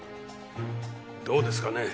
どうですかね？